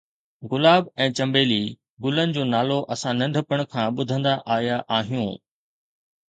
گلاب ۽ چنبيلي گلن جو نالو اسان ننڍپڻ کان ٻڌندا آيا آهيون